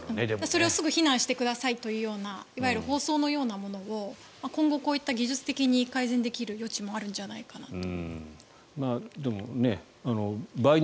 それをすぐ避難してくださいという放送のようなものを今後、こういった技術的に改善できる余地もあるんじゃないかなと。